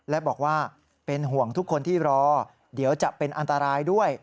และบอกว่าเป็นห่วงทุกคนที่รอเดี๋ยวจะเป็นอันตรายด้วย